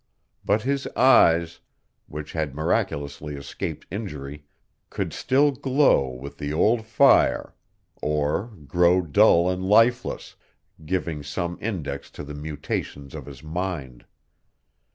But his eyes, which had miraculously escaped injury, could still glow with the old fire, or grow dull and lifeless, giving some index to the mutations of his mind.